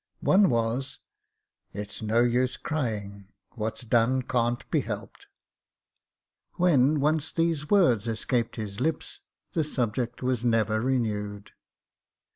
One was, ^' It's no use crying; what's done cat^t he helpedP When once these words escaped his lips, the subject was never renewed.